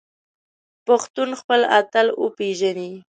پښتنو خپل اتلان وپیژني